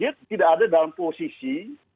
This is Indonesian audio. dia tidak ada dalam posisi